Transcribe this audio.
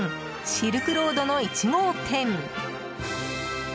シルクロードの１号店。